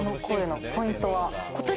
このコーデのポイントは？